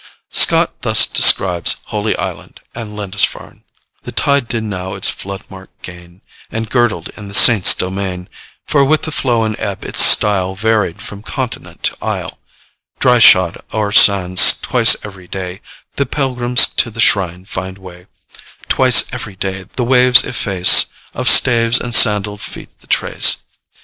Scott thus describes Holy Island and Lindisfarn: 'The tide did now its floodmark gain, And girdled in the saint's domain: For, with the flow and ebb, its style Varied from continent to isle; Dryshod, o'er sands, twice every day, The pilgrims to the shrine find way; Twice every day, the waves efface Of staves and sandalled feet the trace.